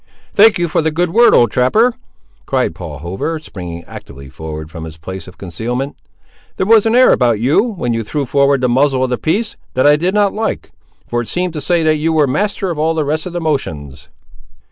"Thank you for the good word, old trapper!" cried Paul Hover, springing actively forward from his place of concealment. "There was an air about you, when you threw forward the muzzle of the piece, that I did not like; for it seemed to say that you were master of all the rest of the motions."